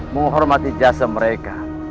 menghormati jasa mereka